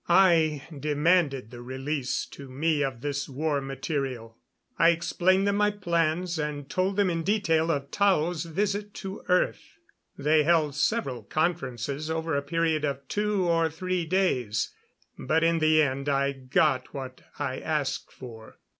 I demanded the release to me of this war material. I explained them my plans, and told them in detail of Tao's visit to earth. They held several conferences over a period of two or three days, but in the end I got what I asked for.